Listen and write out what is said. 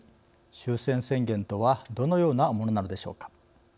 終戦宣言とはどのようなものなのでしょうか。